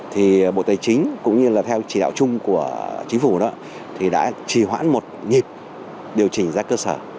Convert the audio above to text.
thì bộ tài chính cũng như là theo chỉ đạo chung của chính phủ đó thì đã trì hoãn một nhịp điều chỉnh ra cơ sở